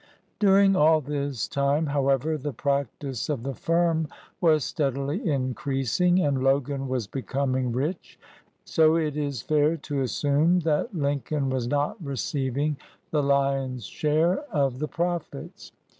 During all this time, however, the practice of the firm was steadily increasing and Logan was becoming rich; so it is fair to assume that Lin coln was not receiving the lion's share of the profits.